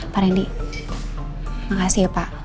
pak randy makasih ya pak